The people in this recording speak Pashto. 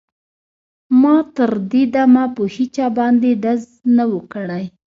ما تر دې دمه په هېچا باندې ډز نه و کړی